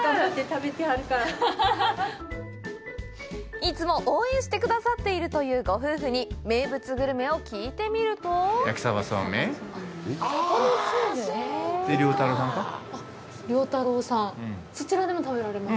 いつも応援してくださっているというご夫婦に名物グルメを聞いてみるとそちらでも食べられます？